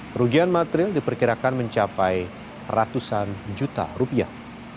perugian material diperkirakan mencapai ratusan juta rupiah